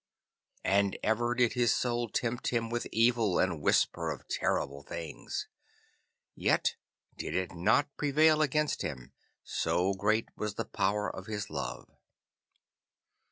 And ever did his Soul tempt him with evil, and whisper of terrible things. Yet did it not prevail against him, so great was the power of his love.